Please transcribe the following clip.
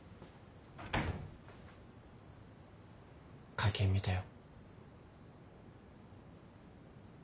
会見見たよ。